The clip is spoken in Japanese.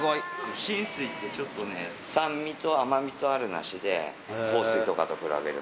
新水ってちょっとね、酸味と甘味とある梨で、幸水とかと比べると。